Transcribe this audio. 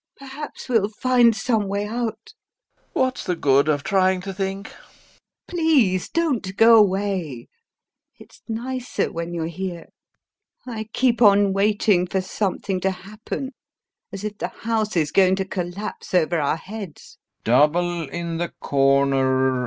Perhaps we'll find some way out! LOPAKHIN. What's the good of trying to think! LUBOV. Please don't go away. It's nicer when you're here.... I keep on waiting for something to happen, as if the house is going to collapse over our heads. GAEV. [Thinking deeply] Double in the corner...